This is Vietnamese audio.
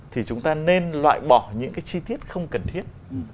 thì chúng ta nên loại bỏ những cái chi tiết không cần thiết